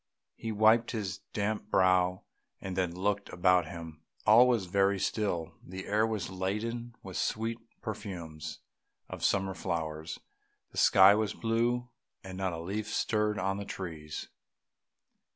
He wiped his damp brow, and then looked about him; all was very still, the air was laden with the sweet perfumes of summer flowers; the sky was blue, and not a leaf stirred on the trees.